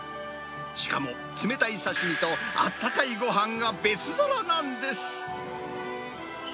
しかも、冷たい刺身とあったかいごはんが別皿なんです。